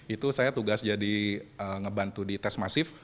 itu saya tugas jadi ngebantu di tes masif